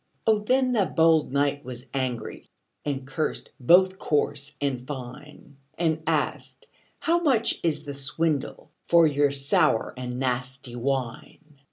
Oh, then the bold knight was angry, And cursed both coarse and fine; And asked, "How much is the swindle For your sour and nasty wine?"